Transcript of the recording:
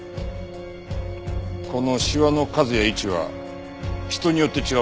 このシワの数や位置は人によって違うそうだ。